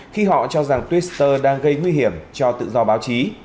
khi họ cho rằng twitter đang gây nguy hiểm cho tự do báo chí